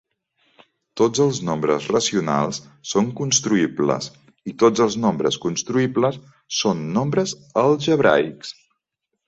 Tots els nombres racionals són construïbles, i tots els nombres construïbles són nombres algebraics.